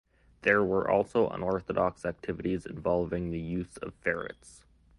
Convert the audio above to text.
There were also unorthodox activities involving the use of ferrets.